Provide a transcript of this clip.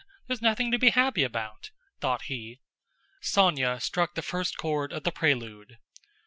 There's nothing to be happy about!" thought he. Sónya struck the first chord of the prelude.